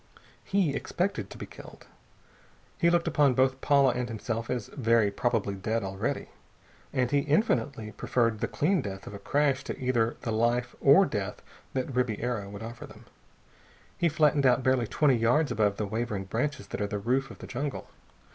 He expected to be killed. He looked upon both Paula and himself as very probably dead already. And he infinitely preferred the clean death of a crash to either the life or death that Ribiera would offer them. He flattened out barely twenty yards above the waving branches that are the roof of the jungle.